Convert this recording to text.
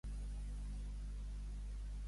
Cara de xiulit.